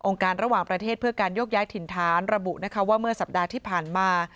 การระหว่างประเทศเพื่อการโยกย้ายถิ่นฐานระบุนะคะว่าเมื่อสัปดาห์ที่ผ่านมา